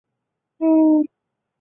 安徽阜阳人。